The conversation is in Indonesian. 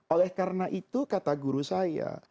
oleh karena itu kata guru saya